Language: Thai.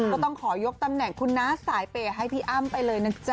ก็ต้องขอยกตำแหน่งคุณน้าสายเปย์ให้พี่อ้ำไปเลยนะจ๊ะ